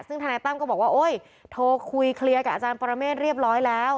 ซึ่งธนายตั้มก็บอกว่าโอ๊ยโทรคุยเคลียร์กับอาจารย์ปรเมฆเรียบร้อยแล้ว